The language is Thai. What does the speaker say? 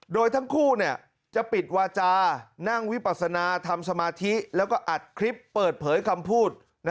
โดยทั้งคู่จะปิดวาจานั่งวิปัสนาทำสมาธิแล้วก็อัดคลิปเปิดเผยคำพูด